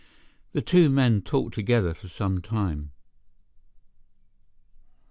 The two men talked together for some time.